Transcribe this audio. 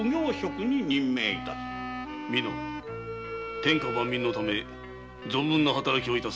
天下万民のため存分な働きを致せ。